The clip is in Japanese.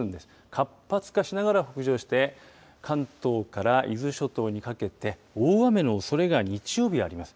活発化しながら北上して、関東から伊豆諸島にかけて、大雨のおそれが日曜日あります。